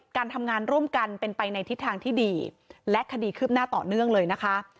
การทำงานร่วมกันเป็นไปในทิศทางที่ดีและคดีคืบหน้าต่อเนื่องเลยนะคะ